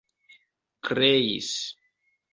kreis